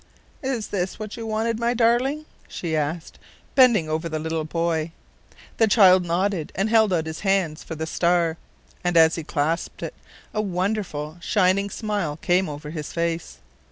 "Is this what you wanted, my darling?" she asked, bending over the little boy. The child nodded and held out his hands for the star; and as he clasped it a wonderful, shining smile came over his face.